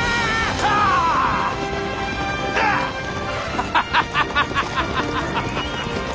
ハハハハハハ！